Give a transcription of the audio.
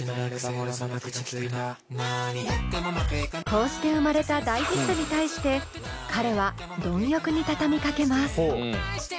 こうして生まれた大ヒットに対して彼は貪欲に畳みかけます。